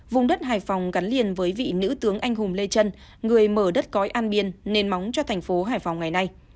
vùng đất hải phòng gắn liền với vị nữ tướng anh hùng lê trân người mở đất cói an biên nền móng cho thành phố hải phòng ngày nay